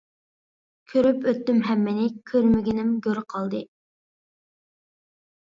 كۆرۈپ ئۆتتۈم ھەممىنى، كۆرمىگىنىم گۆر قالدى.